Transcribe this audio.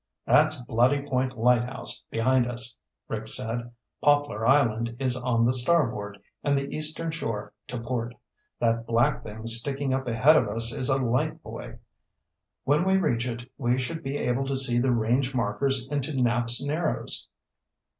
"That's Bloody Point Lighthouse behind us," Rick said. "Poplar Island is on the starboard and the Eastern Shore to port. That black thing sticking up ahead of us is a light buoy. When we reach it, we should be able to see the range markers into Knapps Narrows."